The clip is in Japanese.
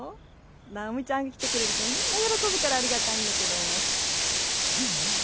奈緒美ちゃんが来てくれるとみんな喜ぶからありがたいんだけど悪いよねぇ。